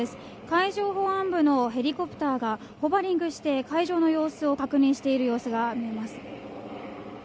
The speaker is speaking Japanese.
海上保安部のヘリコプターがホバリングして海上の様子を確認している様子が見えます。